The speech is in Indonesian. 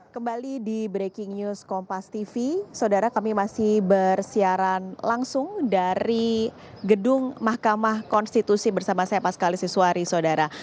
kembali di breaking news kompas tv saudara kami masih bersiaran langsung dari gedung mahkamah konstitusi bersama saya pas kali siswari saudara